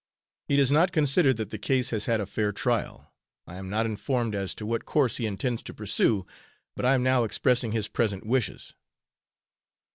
He does not consider that the case has had a fair trial, I am not informed as to what course he intends to pursue, but I am now expressing his present wishes?"